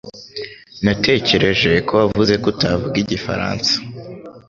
Natekereje ko wavuze ko utavuga igifaransa